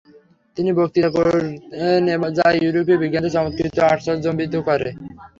তিনি বক্তৃতা করেন যা ইউরোপীয় বিজ্ঞানীদের চমৎকৃত ও আশ্চর্যান্বিত করে।